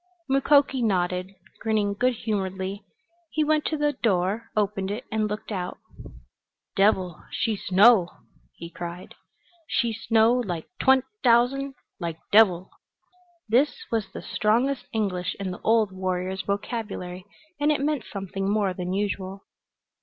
Mukoki nodded, grinning good humoredly. He went to the door, opened it and looked out. "Devil she snow!" he cried. "She snow like twent' t'ousand like devil!" This was the strongest English in the old warrior's vocabulary, and it meant something more than usual.